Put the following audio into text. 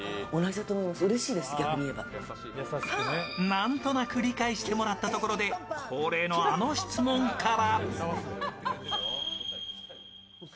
何となく理解してもらったところで、恒例のあの質問から。